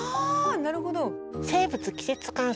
なるほど。